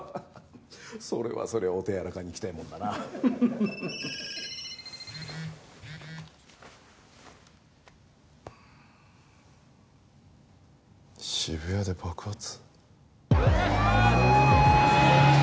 それはそれはお手柔らかにいきたいものだな渋谷で爆発？